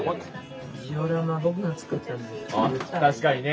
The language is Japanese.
確かにね